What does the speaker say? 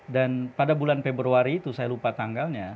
dan pada bulan februari itu saya lupa tanggalnya